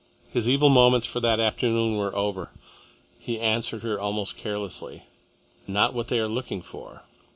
His evil moments for that afternoon were over. He answered her almost carelessly. "Not what they are looking for.